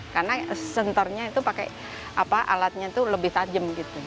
karena senternya itu pakai alatnya itu lebih tajam gitu